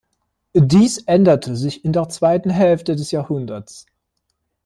Dies änderte sich in der zweiten Hälfte des Jahrhunderts.